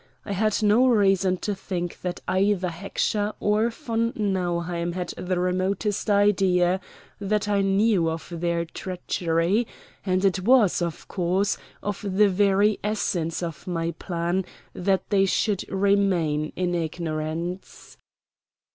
I had no reason to think that either Heckscher or von Nauheim had the remotest idea that I knew of their treachery; and it was, of course, of the very essence of my plan that they should remain in ignorance.